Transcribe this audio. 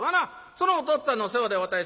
そのおとっつぁんの世話でわたい